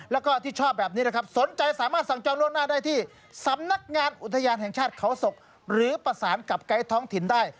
แล้วก็ที่ชอบแบบนี้นะครับสนใจสามารถสั่งจองล่วงหน้าได้ที่สำนักงานอุทยานแห่งชาติเขาศกหรือประสานกับไกด์ท้องถิ่นได้